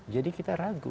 jadi kita ragu